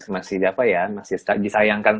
masih apa ya masih disayangkan